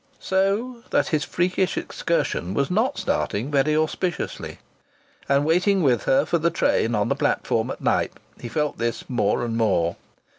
So that his freakish excursion was not starting very auspiciously. And, waiting with her for the train on the platform at Knype, he felt this more and more.